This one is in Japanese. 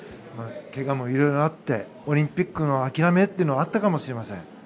けがもいろいろあってオリンピックへの諦めということもあったかもしれません。